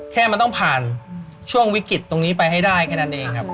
แค่มันต้องผ่านช่วงวิกฤตตรงนี้แล้วไปให้ได้